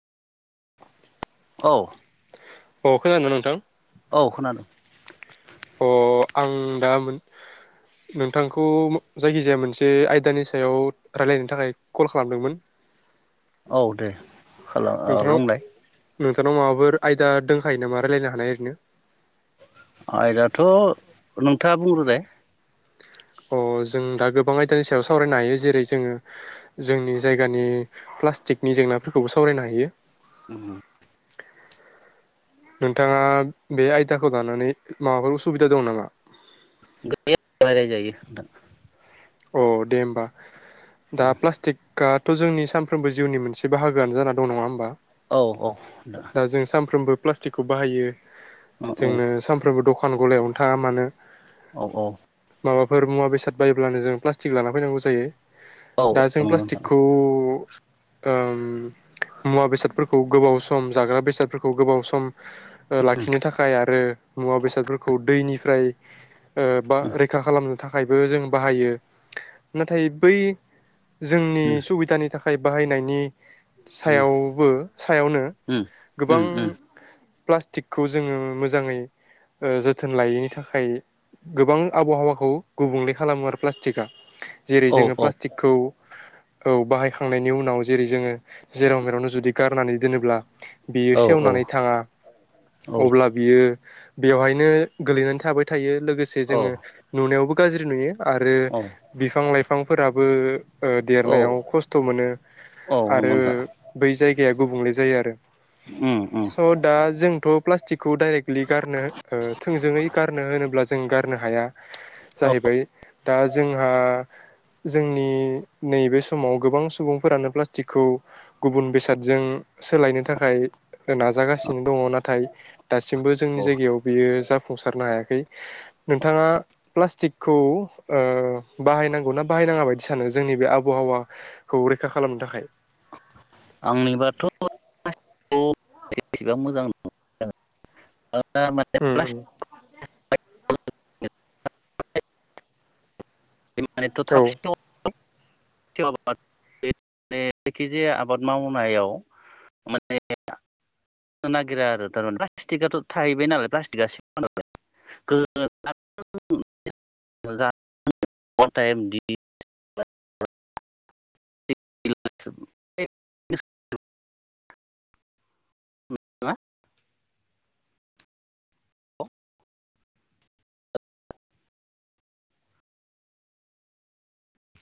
[inaudible] औ अ खोनादों नोंथां औ खोनादों अ आं दा नोंथांखौ जायखिजाया मोनसे आयदानि सायाव रायलायनो थाखाय कल खालामदोंमोन। औ दे खालाम औ बुंलाय नाव माबफोर आयदा दंखायो नामा रायलायनो हानाय ओरैनो आयदाथ' नोंथाङा बुंग्रोलाय अ जों दा गोबां आयदानि सायाव सावरायनो हायो जेरै जोङो जोंनि जायगानि प्लास्टिकनि जेंनाफोरखौबो सावरायनो हायो। ओम नोंथाङा बे आयदाखौ लानानै माबाफोर उसुबिदा दं नामा दे रायलाय जायो नोंथां अ दे होमबा दा प्लास्टिक काट थ' जोंनि सानफ्रोमबो जिउनि मोनसे बाहागोआनो जानानै दं नङा होमबा। औ औ दा जों सानफ्रोमबो प्लास्टिकखौ बाहायो औ जोंनो सानफ्रोमबो दख' फान गलायावनो थाङा मानो औ औ माबाफोर मुवा बेसाद बायोब्लानो जों प्लास्टिक लाना फैनांगौ जायो। औ औ [inaudible] दा नंगौ जों नोंथां प्लास्टिकखौ ओम मुवा बेसादफोरखौ गोबाव सम जाग्रा बेसादफोरखौ गोबाव सम उम लाखिनो थाखाय आरो मुवा बेसादफोरखौ दैनिफ्राय ओ बा रैखा खालामनो थाखाय थाखायबो जों बाहायो नाथाय बै जोंनि सुबिदानि थाख थाखायाइ बाहायनायनि सायावबो सायावनो उम उम गोबां उम प्लास्टिकखौ जोङो मोजाङै ओ जोथोन लायैनि थाखाय गोबां आबहावाखौ गुबुंले खालामो आरो प्लास्टिक थिखा जेरै औ जोङो औ प्लास्टिकखौ औ बाहायखांनायनि उनाव जेरै जोङो जेराव मेरावनो जुदि गारनानै दोनोब्ला औ बियो सेवनानै थाङा अब्ला बियो बेवहायनो गोलैनानै थाबाय थायो लोगोसे औ जोङो नुनायावबो गाज्रि नुयो। आरो औ बिफां लाइफां फोराबो ओ औ देरनायाव खस्थ' मोनो औ आरो नंगौ नोंथां बै जायग जाया गुबुंले जायो आरो उम उम स' दा जोंथ' प्लास्टिकखौ डाइरेक्टलि गारनो ओ थोंजोङै गारनो होनोब्ला जों गारनो हाया औ जाहैबाय दा जोंहा जोंनि नैबे समाव गोबां सुबुंफोरानो प्लास्टिकखौ गुबुन बेसादजों सोलायनो थाखाय नाजागासिनो दङ नाथाय दासिमबो जोंनि औ जायगायाव बियो जा फुंसारनो हायाखै नोंथाङा प्लास्टिकखौ ओ बाहायनांगौ ना बाहायनाङा बायदि सानो जोंनि बे आबहावाखौ रैखा खालामनो थाखाय आंनिबाथ' [unintelligible] एसेबा मोजां नङा। उम उम [unintelligible] [unintelligible] बे मानथ' औ थाबसिन [unintelligible] [unintelligible] जायखिजाया आबाद मावनायाव मानेनो नागिरा आरो थारमान प्लास्टिकआथ' थाहैबाय नालाय प्लास्टिकआ नालाय [unintelligible] [inaudible] टाइम [inaudible] मा?